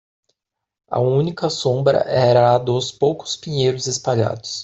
A única sombra era a dos poucos pinheiros espalhados.